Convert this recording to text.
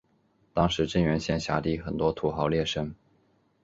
当时真源县辖地很多土豪劣绅。